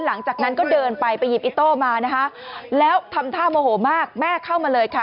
หลังจากนั้นก็เดินไปไปหยิบอิโต้มานะคะแล้วทำท่าโมโหมากแม่เข้ามาเลยค่ะ